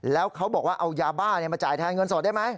แล้วเขาบอกว่าเอายาบ้ามาจ่ายแทนเงินสดได้ไหม